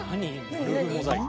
ラルフモザイク。